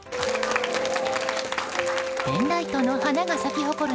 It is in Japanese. ペンライトの花が咲き誇る